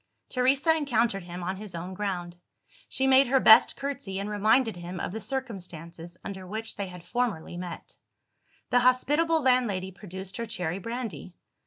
Teresa encountered him, on his own ground. She made her best curtsey, and reminded him of the circumstances under which they had formerly met. The hospitable landlady produced her cherry brandy.